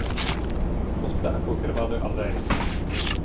Poste ankaŭ germanoj alvenis.